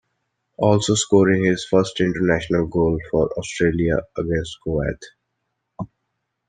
Also scoring his first international goal for Australia against Kuwait.